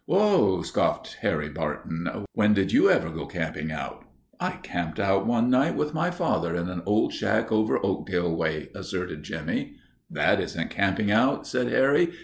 "Ho!" scoffed Harry Barton. "When did you ever go camping out?" "I camped out one night with my father in an old shack over Oakdale way," asserted Jimmie. "That isn't camping out," said Harry.